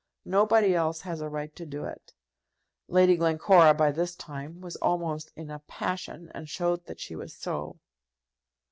Nobody else has a right to do it." Lady Glencora, by this time, was almost in a passion, and showed that she was so.